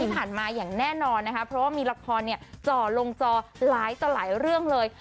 เพราะมีละครจ่อลงจอหลายตะหลายเรื่องเลย